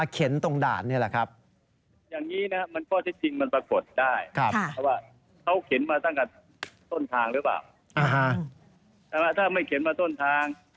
ถ้าไม่เข็นมาต้นทาง